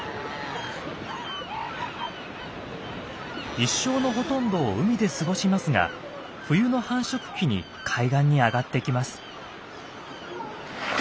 一生のほとんどを海で過ごしますが冬の繁殖期に海岸に上がってきます。